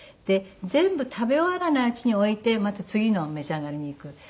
全部食べ終わらないうちに置いてまた次のを召し上がりに行く。